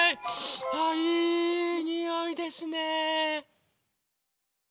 あいいにおいですね。